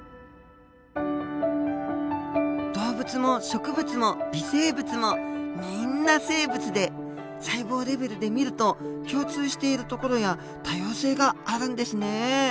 動物も植物も微生物もみんな生物で細胞レベルで見ると共通しているところや多様性があるんですねえ。